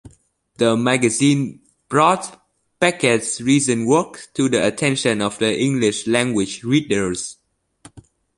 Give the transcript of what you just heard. The magazine brought Beckett's recent work to the attention of English-language readers.